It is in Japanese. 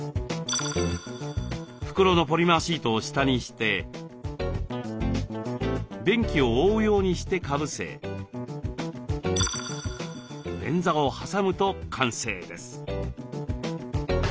袋のポリマーシートを下にして便器を覆うようにしてかぶせ便座をはさむと完成です。